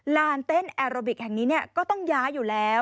ลานเต้นแอโรบิกแห่งนี้ก็ต้องย้ายอยู่แล้ว